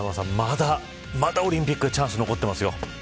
まだオリンピックチャンス残ってますよ。